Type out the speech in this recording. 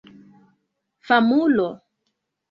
famulo